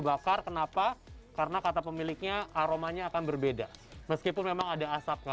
bakar kenapa karena kata pemiliknya aromanya akan berbeda meskipun memang ada asapnya